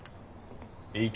行け。